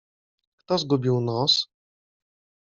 — Kto zgubił nos?